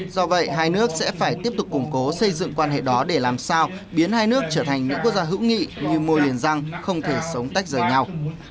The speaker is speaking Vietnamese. do vậy hai nước sẽ phải tiếp tục củng cố xây dựng quan hệ đó để làm sao biến hai nước trở thành những quốc gia hữu nghị như môi liền răng không thể sống tách rời nhau